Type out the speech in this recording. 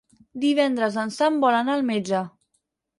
Divendres en Sam vol anar al metge.